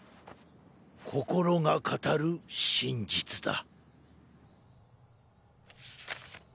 心が語る真実だ」。